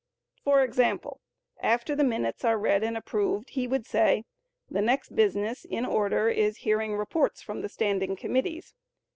For example, after the minutes are read and approved, he would say, "The next business in order is hearing reports from the standing committees."